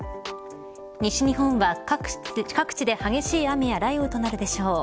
西日本は各地で激しい雨や雷雨となるでしょう。